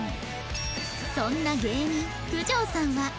そんな芸人九条さんは